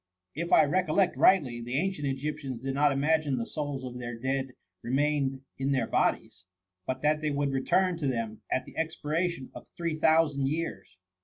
" If I recollect rightly, the ancient Egyptians did not imagine the souls of their dead re mained in their bodies, but that they would return to them at the expiration of three thou sand years.